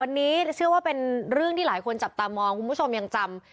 วันนี้เชื่อว่าเป็นเรื่องที่หลายคนจับตามองคุณผู้ชมยังจำ